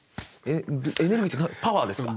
エネルギーってパワーですか？